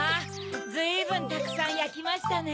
ずいぶんたくさんやきましたね・